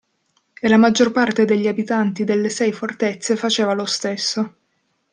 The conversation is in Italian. E la maggior parte degli abitanti delle sei fortezze faceva lo stesso.